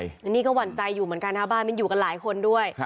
อันนี้ก็หวั่นใจอยู่เหมือนกันนะบ้านมันอยู่กันหลายคนด้วย